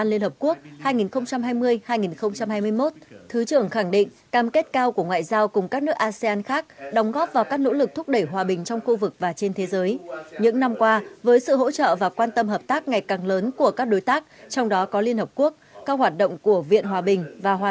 liên hợp quốc rất biết ơn sự đóng góp hơn năm binh lính giữ hòa bình cho các chiến dịch giữ hòa bình